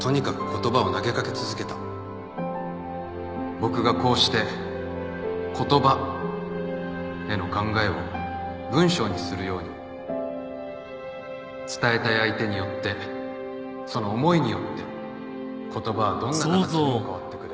「僕がこうして言葉への考えを文章にするように伝えたい相手によってその思いによって言葉はどんなかたちにも変わってくれる」